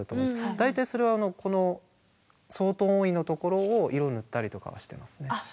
大体それはこの相当温位のところを色塗ったりとかはしてますね。